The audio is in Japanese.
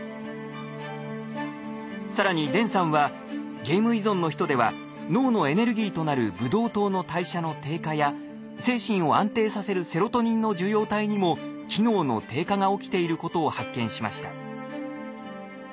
更に田さんはゲーム依存の人では脳のエネルギーとなるブドウ糖の代謝の低下や精神を安定させるセロトニンの受容体にも機能の低下が起きていることを発見しました。